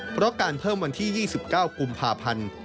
เพราะการเพิ่มวันที่๒๙กุมภาพันธ์